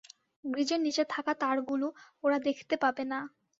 গ্রীজের নীচে থাকা তারগুলো ওরা দেখতে পাবে না।